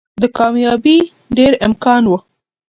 د کاميابۍ ډېر امکان وو